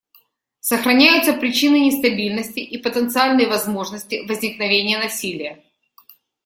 Сохраняются причины нестабильности и потенциальные возможности возникновения насилия.